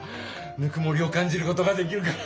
ぬくもりをかんじることができるから。